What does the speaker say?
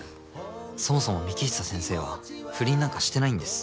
そもそも幹久先生は不倫なんかしてないんです。